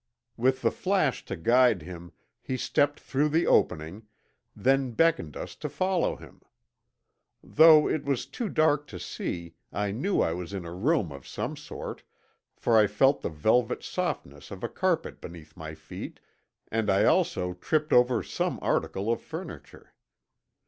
With the flash to guide him he stepped through the opening, then beckoned us to follow him. Though it was too dark to see, I knew I was in a room of some sort, for I felt the velvet softness of a carpet beneath my feet, and I also tripped over some article of furniture.